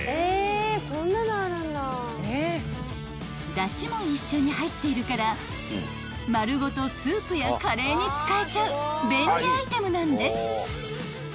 ［だしも一緒に入っているから丸ごとスープやカレーに使えちゃう便利アイテムなんです］